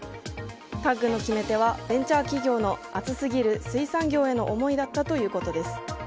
タッグの決め手はベンチャー企業の熱すぎる、水産業への思いだったということです。